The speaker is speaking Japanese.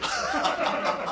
ハハハハ！